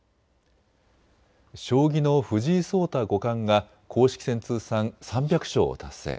将棋の藤井聡太五冠が公式戦通算３００勝を達成。